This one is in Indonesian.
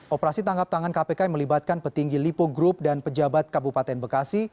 operasi tangkap tangan kpk yang melibatkan petinggi lipo group dan pejabat kabupaten bekasi